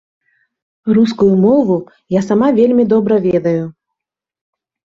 Рускую мову я сама вельмі добра ведаю.